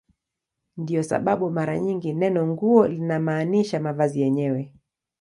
Ndiyo sababu mara nyingi neno "nguo" linamaanisha mavazi yenyewe.